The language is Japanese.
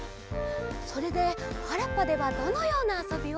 それではらっぱではどのようなあそびを？